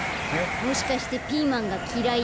もしかしてピーマンがきらいなの？